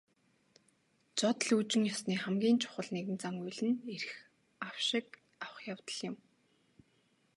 Жод лүйжин ёсны хамгийн чухал нэгэн зан үйл нь эрх авшиг авах явдал юм.